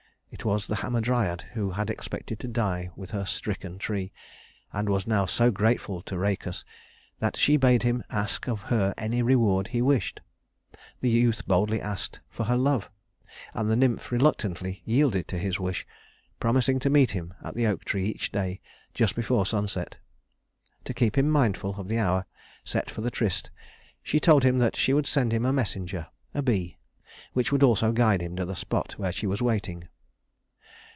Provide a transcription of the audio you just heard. It was the Hamadryad who had expected to die with her stricken tree, and was now so grateful to Rhœcus that she bade him ask of her any reward he wished. The youth boldly asked for her love, and the nymph reluctantly yielded to his wish, promising to meet him at the oak tree each day just before sunset. To keep him mindful of the hour set for the tryst, she told him that she would send him a messenger a bee which would also guide him to the spot where she was waiting.